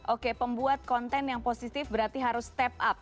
oke pembuat konten yang positif berarti harus step up